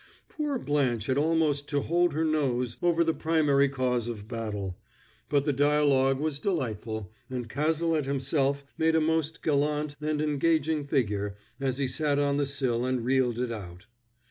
Poor Blanche had almost to hold her nose over the primary cause of battle; but the dialogue was delightful, and Cazalet himself made a most gallant and engaging figure as he sat on the sill and reeled it out.